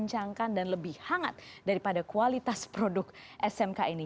kencangkan dan lebih hangat daripada kualitas produk smk ini